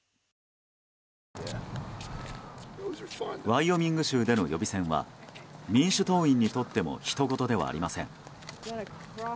ワイオミング州での予備選は民主党員にとってもひとごとではありません。